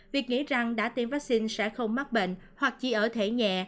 việc nghĩ rằng đã tiêm vaccine sẽ không mắc bệnh hoặc chỉ ở thể nhẹ